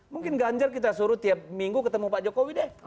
mungkin ganjar kita suruh tiap minggu ketemu pak jokowi deh